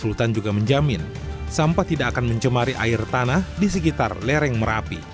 sultan juga menjamin sampah tidak akan mencemari air tanah di sekitar lereng merapi